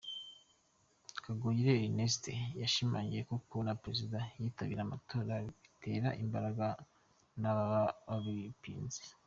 Kagoyire Ernestine yashimangiye ko kubona Perezida yitabira amatora bitera imbaraga n’ababa babipinze.